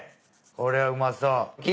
これはうまそう。